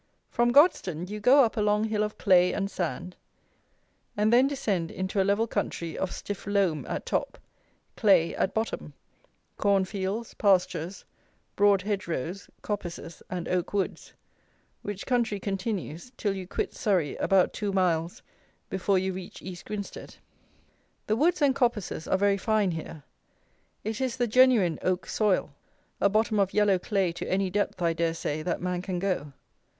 From Godstone you go up a long hill of clay and sand, and then descend into a level country of stiff loam at top, clay at bottom, corn fields, pastures, broad hedgerows, coppices, and oak woods, which country continues till you quit Surrey about two miles before you reach East Grinstead. The woods and coppices are very fine here. It is the genuine oak soil; a bottom of yellow clay to any depth, I dare say, that man can go.